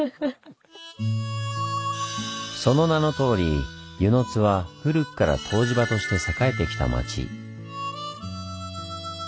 その名のとおり温泉津は古くから湯治場として栄えてきた町。